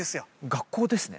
学校ですね